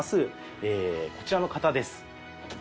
こちらの方です。